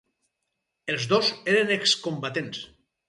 Els dos eren excombatents.